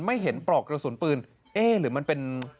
ไม่เห็นปลอกกระสุนปืนเอ๊ะหรือมันเป็น